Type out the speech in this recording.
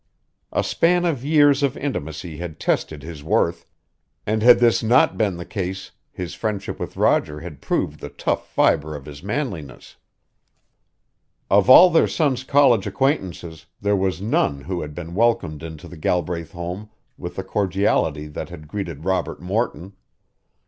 A span of years of intimacy had tested his worth, and had this not been the case his friendship with Roger had proved the tough fiber of his manliness. Of all their son's college acquaintances there was none who had been welcomed into the Galbraith home with the cordiality that had greeted Robert Morton.